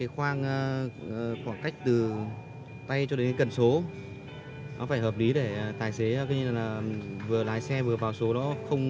khoảng cách từ tay cho đến cần số nó phải hợp lý để tài xế như là vừa lái xe vừa vào số nó không